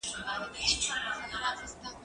زه به سبا لوښي وچوم،